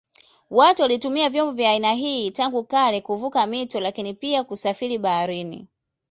Watu walitumia vyombo vya aina hii tangu kale kuvuka mito lakini pia kusafiri baharini.